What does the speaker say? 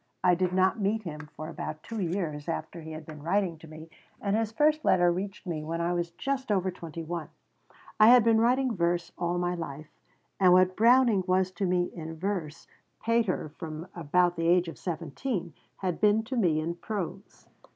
I did not meet him for about two years after he had been writing to me, and his first letter reached me when I was just over twenty one. I had been writing verse all my life, and what Browning was to me in verse Pater, from about the age of seventeen, had been to me in prose.